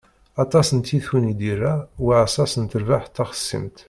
Aṭas n tyitwin i d-irra uɛessas n terbaɛt taxṣimt.